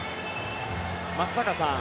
松坂さん